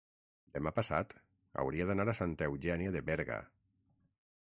demà passat hauria d'anar a Santa Eugènia de Berga.